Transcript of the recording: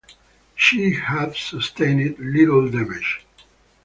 She had sustained little damage.